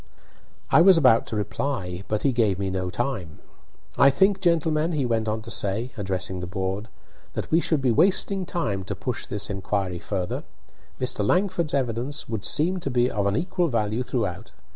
I was about to reply, but he gave me no time. "I think, gentlemen," he went on to say, addressing the board," that we should be wasting time to push this inquiry further. Mr. Langford's evidence would seem to be of an equal value throughout.